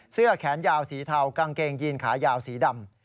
เสื้อแขนยาวสีเทากางเกงยีนขายาวสีดำ